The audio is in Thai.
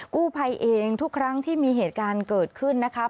กู้ภัยเองทุกครั้งที่มีเหตุการณ์เกิดขึ้นนะครับ